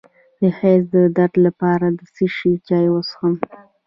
د حیض د درد لپاره د څه شي چای وڅښم؟